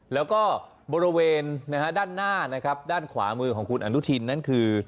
แล้วก็บริเวณนะฮะด้านหน้านะครับด้านขวามือของคุณอนุทินนั่นคือ